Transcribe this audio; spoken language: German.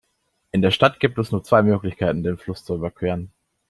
In der Stadt gibt es nur zwei Möglichkeiten, den Fluss zu überqueren.